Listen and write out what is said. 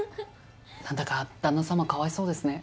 なんだか旦那様かわいそうですね。